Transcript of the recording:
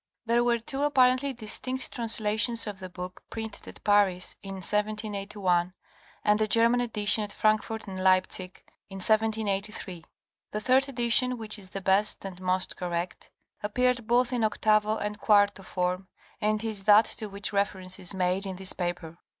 There were two apparently distinct translations of the book printed at Paris in 1781, and a German edition at Frankfurt and Leipzig in 1783. The third edition which is the best and most correct appeared both in octavo and quarto form, and is that to which reference is made in this paper.